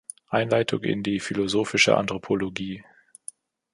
Einleitung in die philosophische Anthropologie"“.